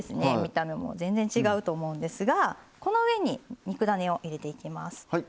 見た目も全然、違うと思うんですがこの上に、肉だねを入れていきます。